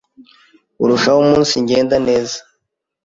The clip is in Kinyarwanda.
urushaho umunsigenda neza;